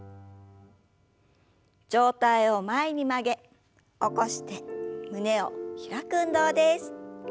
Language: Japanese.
上体を前に曲げ起こして胸を開く運動です。